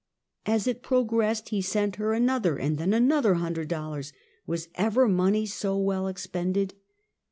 As it progressed he sent her another, and then another hundred dollars. Was ever money so well expended